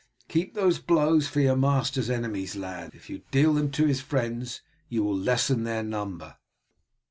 Keep those blows for your master's enemies, lad. If you deal them to his friends you will lessen their number.'"